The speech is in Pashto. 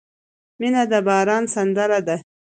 • مینه د باران سندره ده.